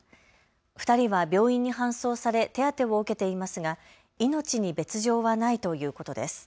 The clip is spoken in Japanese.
２人は病院に搬送され手当てを受けていますが命に別状はないということです。